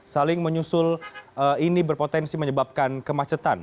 saling menyusul ini berpotensi menyebabkan kemacetan